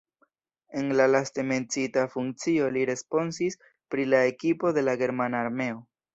En la laste menciita funkcio li responsis pri la ekipo de la germana armeo.